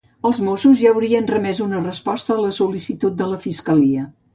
Els mossos ja haurien remès una resposta a la sol·licitud de la fiscalia.